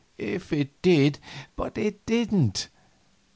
If it did But it didn't.